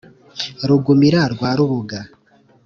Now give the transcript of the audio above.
Rugumira rwa Rubuga